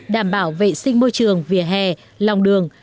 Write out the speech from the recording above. đảm bảo vệ sinh môi trường vỉa hè lòng đường